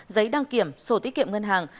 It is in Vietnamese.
giấy đăng kiểm sổ tiết kiệm ngân hàng